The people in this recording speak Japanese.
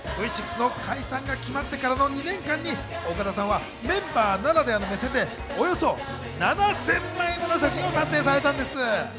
Ｖ６の解散が決まってからの２年間に岡田さんはメンバーならではの目線で、およそ７０００枚もの写真撮影をされたんです。